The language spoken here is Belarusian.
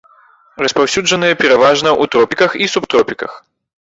Распаўсюджаныя пераважна ў тропіках і субтропіках.